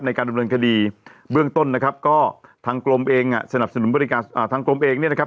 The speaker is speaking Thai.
ในการดำเนินคดีเบื้องต้นนะครับก็ทางกรมเองอ่ะสนับสนุนบริการทางกรมเองเนี่ยนะครับ